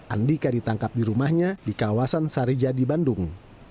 andika ditangkap di rumahnya di kawasan sarijadi bandung